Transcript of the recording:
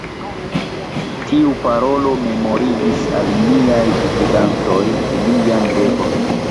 Tiu parolo memorigis al niaj gvidantoj ilian devon.